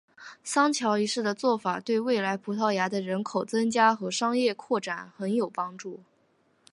桑乔一世的做法对未来葡萄牙的人口增加和商业扩展很有帮助。